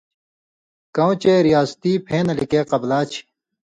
کؤں چے ریاستی پھېں نہ لِکے قبلا چھی۔